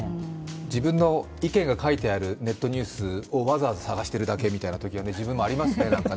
自分の意見が書いてあるネットニュースをわざわざ探しているだけみたいなところが自分もありますね、なんかね。